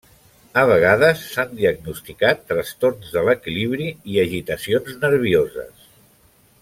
A vegades s'han diagnosticat trastorns de l'equilibri i agitacions nervioses.